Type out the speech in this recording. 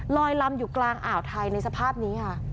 ลอยลำอยู่กลางอ่าวไทยในสภาพนี้ค่ะ